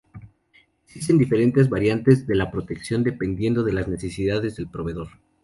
Existen diferentes variantes de la protección dependiendo de las necesidades del proveedor.